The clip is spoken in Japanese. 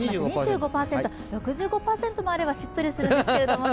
６５％もあればしっとりするんですけどもね。